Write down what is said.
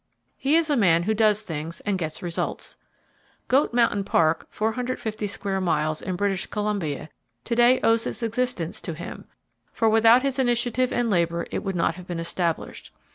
He is a man who does things, and gets results. Goat Mountain Park (450 square miles), in British Columbia, to day owes its existence to him, for without his initiative and labor it would not have been established.